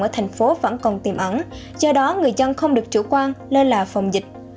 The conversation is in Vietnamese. ở thành phố vẫn còn tiềm ẩn do đó người dân không được chủ quan lơ là phòng dịch